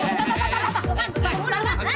tepat tepat tepat